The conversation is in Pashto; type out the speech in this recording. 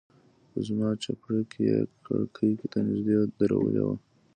زما چپرکټ يې کړکۍ ته نژدې درولى و.